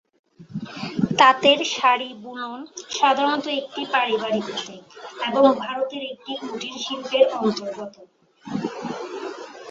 তাঁতের শাড়ি বুনন সাধারণত একটি পারিবারিক উদ্যোগ এবং ভারতের একটি কুটির শিল্পের অন্তর্গত।